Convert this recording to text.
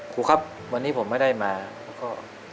ครูครับวันนี้ผมไม่ได้มาแล้วก็